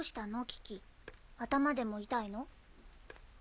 キキ頭でも痛いの？